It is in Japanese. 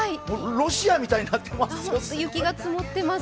ロシアみたいになってます。